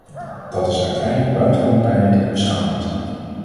Dat is uiteindelijk buitengewoon pijnlijk en beschamend.